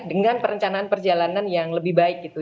untuk perjalanan perjalanan yang lebih baik gitu